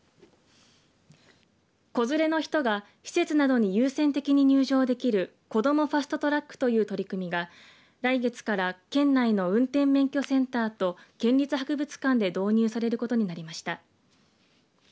子連れの人が施設などに優先的に入場できるこどもファスト・トラックという取り組みが来月から県内の運転免許センターと県立博物館で導入されることになりました。